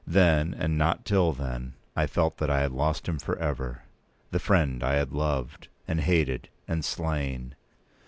Then, and not till then, I felt that I had lost him for ever—the friend I had loved, and hated, and slain.